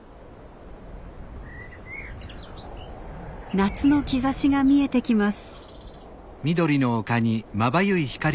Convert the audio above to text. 夏の兆しが見えてきます。